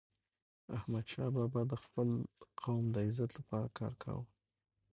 احمدشاه بابا د خپل قوم د عزت لپاره کار کاوه.